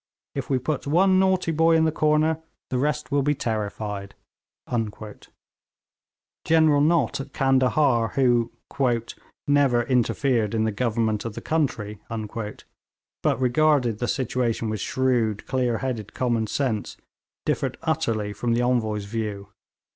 If we put one naughty boy in the corner, the rest will be terrified.' General Nott at Candahar, who 'never interfered in the government of the country,' but regarded the situation with shrewd, clear headed common sense, differed utterly from the Envoy's view.